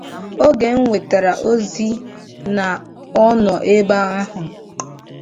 oge e nwetara ozi na ọ nọ ebe ahụ